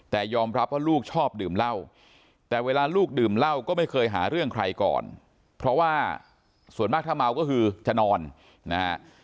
แต่ยอมรับว่าลูกชอบดื่มเหล้าแต่เวลาลูกดื่มเหล้าก็ไม่เคยหาเรื่องใครก่อนเพราะว่าส่วนมากถ้าเมาก็คือจะนอนนะฮะ